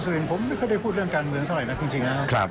ตรสุรินทร์ผมไม่ค่อยได้พูดเรื่องการเมืองเท่าไหร่นะคุณจริงนะครับ